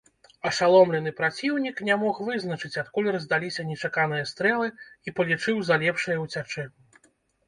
Ашаломлены праціўнік не мог вызначыць, адкуль раздаліся нечаканыя стрэлы і палічыў за лепшае ўцячы.